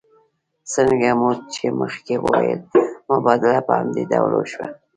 څرنګه مو چې مخکې وویل مبادله په همدې ډول وشوه